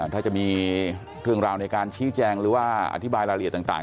ถ้าจะมีเรื่องราวในการชี้แจงหรือว่าอธิบายรายละเอียดต่าง